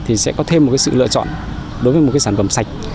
thì sẽ có thêm một cái sự lựa chọn đối với một cái sản phẩm sạch